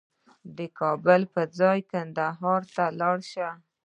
د کابل په ځای کندهار ته لاړ شه